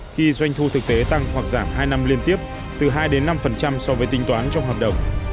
khi doanh thu thực tế tăng hoặc giảm hai năm liên tiếp từ hai đến năm so với tính toán trong hợp đồng